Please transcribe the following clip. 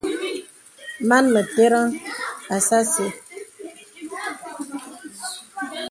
Mān mə tə̀rən asà asə́.